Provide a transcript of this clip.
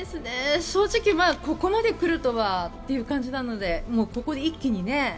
正直、ここまで来るとはという感じなのでここで一気にね。